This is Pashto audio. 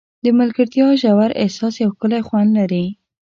د ملګرتیا ژور احساس یو ښکلی خوند لري.